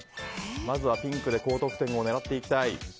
まずはピンクで高得点を狙っていきたい。